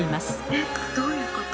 えっどういうこと？